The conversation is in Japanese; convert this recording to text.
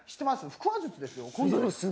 腹話術ですよ」